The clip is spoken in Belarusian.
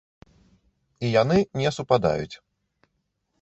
І яны не супадаюць.